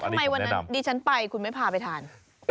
ทำไมวันนั้นดิฉันไปคุณไม่พาไปทาน